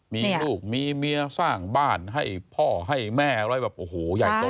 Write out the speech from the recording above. มีลูกมีเมียสร้างบ้านให้พ่อให้แม่อะไรแบบโอ้โหใหญ่โต